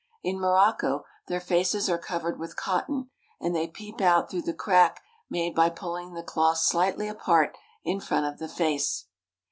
In Morocco their faces are covered with cotton, and they peep out through the crack made by pulling the cloth slightly apart in front of the face.